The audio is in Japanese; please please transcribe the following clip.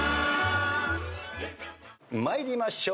参りましょう。